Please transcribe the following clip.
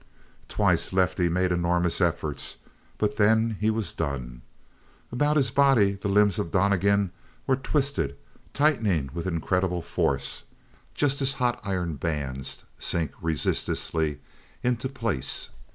Twice Lefty made enormous efforts, but then he was done. About his body the limbs of Donnegan were twisted, tightening with incredible force; just as hot iron bands sink resistlessly into place.